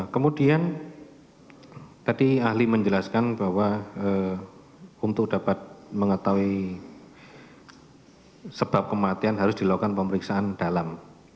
kemudian tadi ahli menjelaskan bahwa untuk dapat mengetahui sebab kematian harus dilakukan pemeriksaan dalam